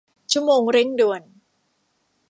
ชั่วโมงเร่งด่วน